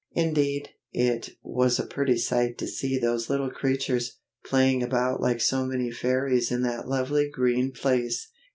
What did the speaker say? Indeed, it was a pretty sight to see those little creatures, playing about like so many fairies in that lovely green place.